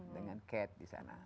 dengan cat di sana